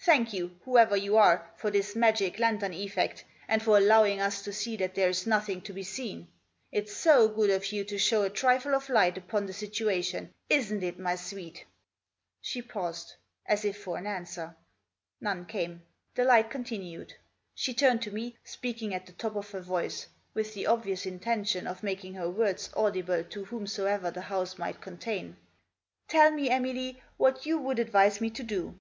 Thank you, whoever you are, for this magic lantern effect ; and for allowing us to see that there is nothing to be seen. It's so good of you to show a trifle of light upon the situation ; isn't it, my sweet ?" She paused; as if for an answer. None came. The light continued. She turned to me, speaking at the top of her voice, with the obvious intention of making her words audible to whomsoever the house might contain. " Tell me, Emily, what you would advise me to do.